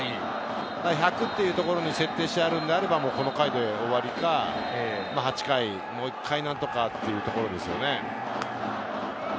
１００っていうところに設定してあるんであれば、この回で終わりか、８回、もう１回何とかっていうところですよね。